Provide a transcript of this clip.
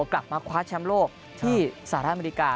กลับมาคว้าแชมป์โลกที่สหรัฐอเมริกา